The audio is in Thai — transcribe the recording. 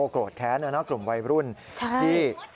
โกรธแค้นนะกลุ่มวัยรุ่นที่